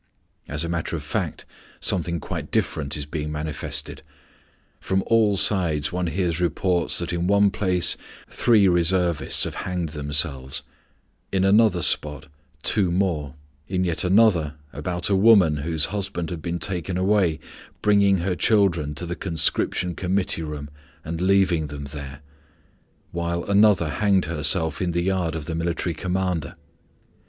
As a matter of fact, something quite different is being manifested. From all sides one hears reports that in one place three Reservists have hanged themselves; in another spot, two more; in yet another, about a woman whose husband had been taken away bringing her children to the conscription committee room and leaving them there; while another hanged herself in the yard of the military commander.